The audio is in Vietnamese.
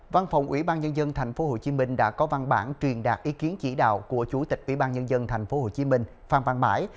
văn phòng ủy ban nhân dân tp hcm đã có văn bản truyền đạt ý kiến chỉ đạo của chủ tịch ủy ban nhân dân tp hcm phan văn mãi